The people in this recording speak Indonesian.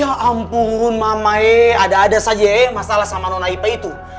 ya ampun mamae ada ada saja masalah sama nona ipe itu